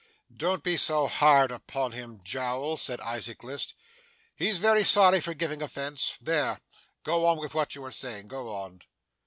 'Don't be hard upon him, Jowl,' said Isaac List. 'He's very sorry for giving offence. There go on with what you were saying go on.